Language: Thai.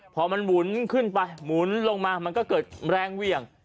พอมันหมุนลงมามันก็เคิดแรงเหวี่ยง